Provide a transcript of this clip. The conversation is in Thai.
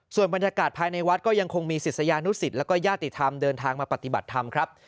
ส่วนบรรยากาศภายในวัดก็ยังคงมีศิษยานุสิตแล้วก็ญาติธรรมเดินทางมาปฏิบัติธรรมครับ